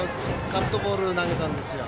カットボール投げたんですよ。